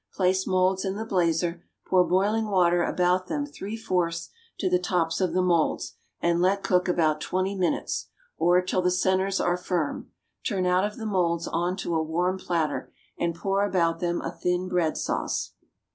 Place moulds in the blazer, pour boiling water about them three fourths to the tops of the moulds, and let cook about twenty minutes, or till the centres are firm; turn out of the moulds on to a warm platter, and pour about them a thin bread sauce.